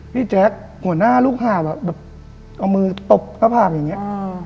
พี่แจ๊คหัวหน้าลูกหาดอ่ะเอามือตบประผ่านอย่างเงี้ย